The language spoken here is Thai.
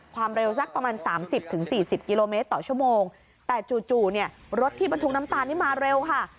ความเร็วสักประมาณสามสิบถึงสี่สิบกิโลเมตรต่อชั่วโมงแต่จู่จู่เนี่ยรถที่บรรทุกน้ำตาลนี่มาเร็วค่ะ